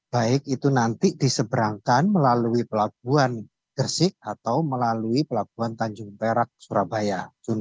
baik itu nanti diseberangkan melalui pelabuhan gresik atau melalui pelabuhan tanjung perak surabaya